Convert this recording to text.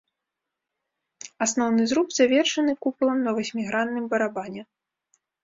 Асноўны зруб завершаны купалам на васьмігранным барабане.